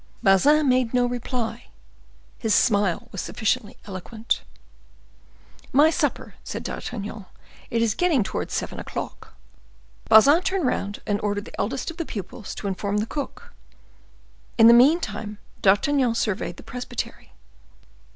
Bazin made no reply; his smile was sufficiently eloquent. "My supper," said D'Artagnan, "it is getting towards seven o'clock." Bazin turned round and ordered the eldest of the pupils to inform the cook. In the meantime, D'Artagnan surveyed the presbytery.